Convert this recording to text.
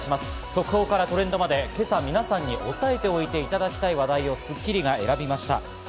速報からトレンドまで、今朝、皆さんに押さえておいていただきたい話題を『スッキリ』が選びました。